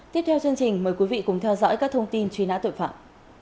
tiếp theo chương trình mời quý vị cùng theo dõi các thông tin truy nã tội phạm